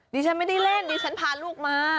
ดิฉันไม่ได้เล่นดิฉันพาลูกมา